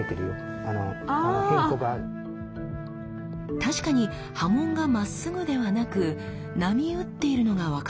確かに刃文がまっすぐではなく波打っているのが分かりますよね。